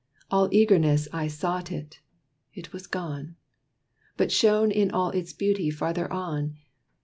All eagerness I sought it it was gone, But shone in all its beauty farther on.